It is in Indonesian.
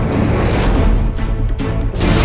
mas rasha tunggu